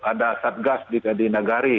ada asap gas di negeri